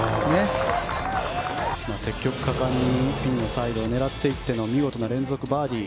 積極果敢にピンのサイドを狙っていっての見事な連続バーディー。